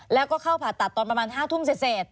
แล้วก็เข้าผ่าตัดตอนประมาณ๕ทุ่มเสร็จ